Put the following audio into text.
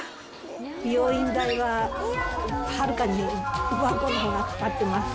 美容院代は、はるかにワンコのほうがかかってます。